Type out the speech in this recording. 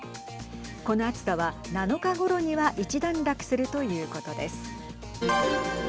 この暑さは７日ごろには一段落するということです。